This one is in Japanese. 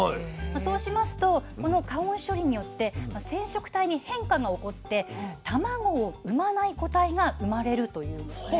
そうしますとこの加温処理によって染色体に変化が起こって卵を産まない個体が生まれるというんですね。